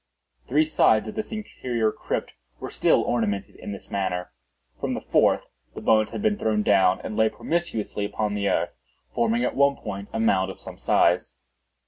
Three sides of this interior crypt were still ornamented in this manner. From the fourth the bones had been thrown down, and lay promiscuously upon the earth, forming at one point a mound of some size.